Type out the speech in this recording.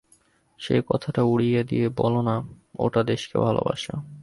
সেই কথাটা উড়িয়ে দিয়ে বলো না ওটা দেশকে ভালোবাসা।